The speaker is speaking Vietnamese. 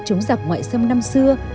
chống giặc ngoại xâm năm xưa